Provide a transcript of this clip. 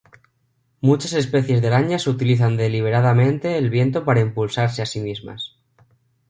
Muchas especies de arañas utilizan deliberadamente el viento para impulsarse a sí mismas.